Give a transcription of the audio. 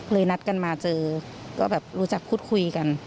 นัดกันมาเจอก็แบบรู้จักพูดคุยกัน